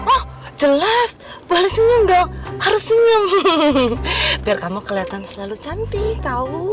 oh jelas boleh senyum dong harus senyum biar kamu keliatan selalu cantik tau